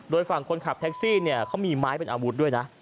โดยฝั่งคนขับแท็กซี่เนี่ยเขามีไม้เป็นอาวุธด้วยนะ